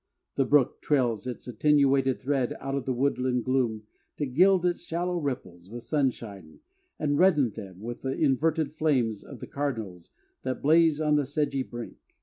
The brook trails its attenuated thread out of the woodland gloom to gild its shallow ripples with sunshine and redden them with the inverted flames of the cardinals that blaze on the sedgy brink.